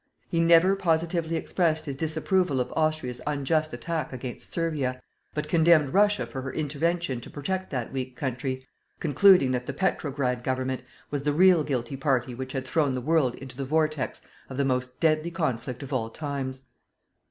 He never positively expressed his disapproval of Austria's unjust attack against Servia, but condemned Russia for her intervention to protect that weak country, concluding that the Petrograd Government was the real guilty party which had thrown the world into the vortex of the most deadly conflict of all times.